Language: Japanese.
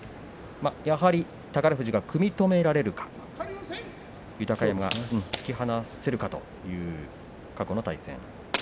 宝富士が組み止められるか豊山が突き放せるかという過去の対戦。